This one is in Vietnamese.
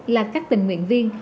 là các tình nguyện viên